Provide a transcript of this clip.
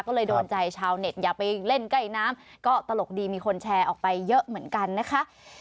ก็เลยโดนใจชาวเน็ตอย่าไปเล่นใกล้น้ำก็ตลกดีมีคนแชร์ออกไปเยอะเหมือนกันนะคะ